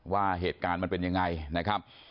ว่าเหตุการณ์มันเป็นยังไงนะครับ